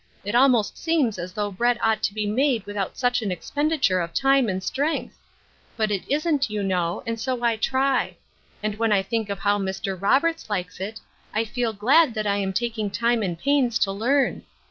It almost seems as though bread ought to be made without such an expenditure of time and strength. But it isn't, you know, and so I try ; and when I think of how Mr. Rob ertfl likes it, I feel glad that I am taking time One Drop of Oil. 117 and pains to learn.